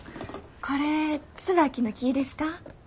これツバキの木ですか？